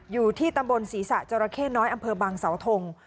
อยู่ที่ตำบลศรีษะจราเข้น้อยอำเภอบางเสาทง